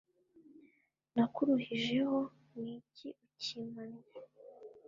Nakuruhijeho ni iki ukimpamye